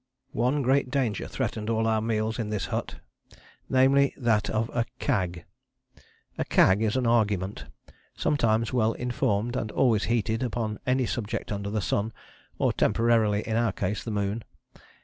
One great danger threatened all our meals in this hut, namely that of a Cag. A Cag is an argument, sometimes well informed and always heated, upon any subject under the sun, or temporarily in our case, the moon.